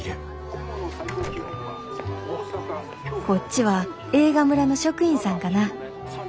こっちは映画村の職員さんかな。